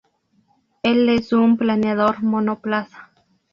El es un planeador monoplaza.